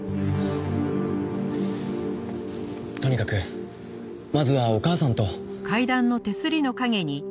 とにかくまずはお母さんと。